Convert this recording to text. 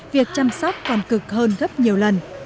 việc chăm sóc còn cực hơn gấp nhiều lần